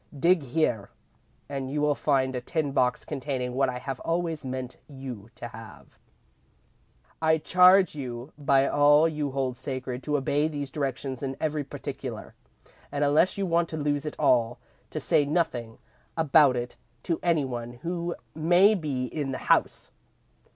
Dig here and you will find a tin box containing what I have always meant you to have. "I charge you by all you hold sacred to obey these directions in every particular, and unless you want to lose it all, to say nothing about it to any one who may be in the house.